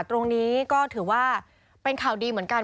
ตรงนี้ก็ถือว่าเป็นข่าวดีเหมือนกัน